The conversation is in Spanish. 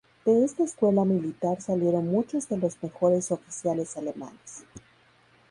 De esta escuela militar salieron muchos de los mejores oficiales alemanes.